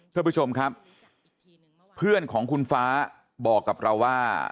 ท่านผู้ชมครับเพื่อนของคุณฟ้าบอกกับเราว่า